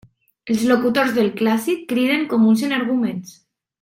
Els locutors del clàssic criden com uns energúmens.